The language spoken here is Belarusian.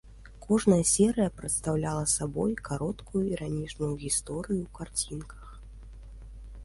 Кожная серыя прадстаўляла сабой кароткую іранічную гісторыю ў карцінках.